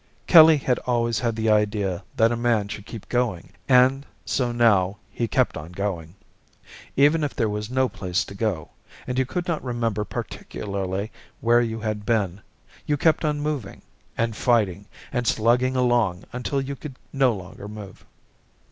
Kelly had always had the idea that a man should keep going and so now he kept on going. Even if there was no place to go, and you could not remember particularly where you had been, you kept on moving and fighting and slugging along until you could no longer move.